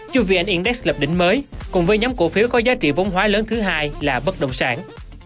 cho vn index lập đỉnh mới cùng với nhóm cổ phiếu có giá trị vốn hóa lớn thứ hai là bất động sản